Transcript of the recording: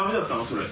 それ。